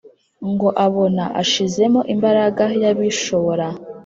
ngo abona ashizemo imbaraga yabishobora